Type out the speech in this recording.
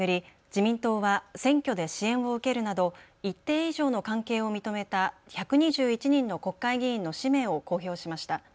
自民党は選挙で支援を受けるなど一定以上の関係を認めた１２１人の国会議員の氏名を公表しました。